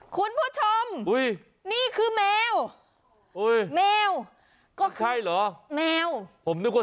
คุณผู้ชมอุ๊ยนี่คือแมวอุ๊ยแมวก็ใช่เหรอแมวผมนึกว่า